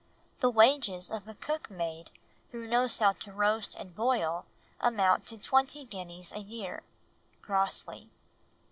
The wages of a cook maid who knows how to roast and boil amount to twenty guineas a year." (Grosley.)